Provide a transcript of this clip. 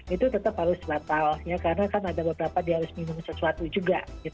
itu tetap harus batal ya karena kan ada beberapa dia harus minum sesuatu juga